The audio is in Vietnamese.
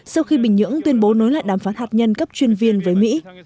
sau khi bình nhưỡng tuyên bố nối lại đàm phán hạt nhân cấp chuyên viên với mỹ